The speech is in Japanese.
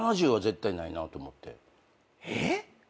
えっ？